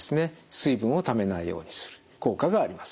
水分をためないようにする効果があります。